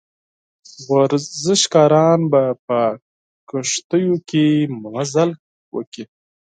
ورزشکاران به په کښتیو کې مزل وکړي.